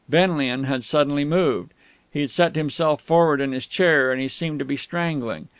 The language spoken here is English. Benlian had suddenly moved. He'd set himself forward in his chair, and he seemed to be strangling.